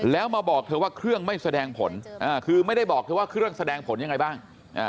แล้วมาบอกเธอว่าเครื่องไม่แสดงผลคือไม่ได้บอกเธอว่าเครื่องแสดงผลยังไงบ้าง